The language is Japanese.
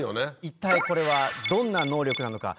一体これはどんな能力なのか